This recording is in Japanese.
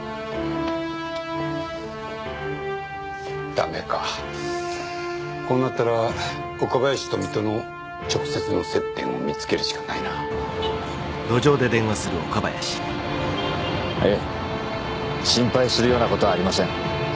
ダメかこうなったら岡林と水戸の直接の接点を見つけるしかないなええ心配するようなことはありません